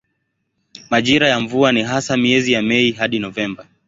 Majira ya mvua ni hasa miezi ya Mei hadi Novemba.